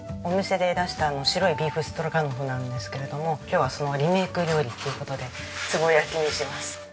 お店で出した白いビーフストロガノフなんですけれども今日はそのリメイク料理っていう事でつぼ焼きにします。